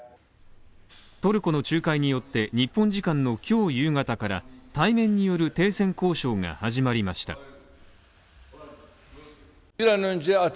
トルコの仲介によって日本時間の今日夕方から対面による停戦交渉が始まりました。